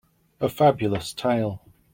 A Fabulous tale.